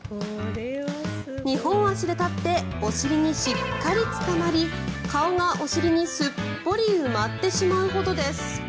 ２本足で立ってお尻にしっかりつかまり顔がお尻に、すっぽり埋まってしまうほどです。